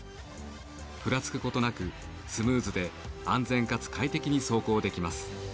ふらつくことなくスムーズで安全かつ快適に走行できます。